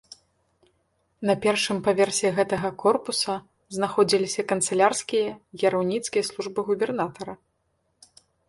На першым паверсе гэтага корпуса знаходзіліся канцылярскія і кіраўніцкія службы губернатара.